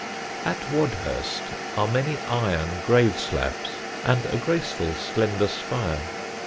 At Wadhurst are many iron grave slabs and a graceful slender spire.